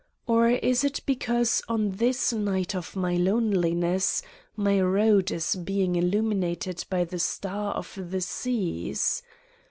Or is it because on this night of my loneliness, my road is being illuminated by the Star of the Seas?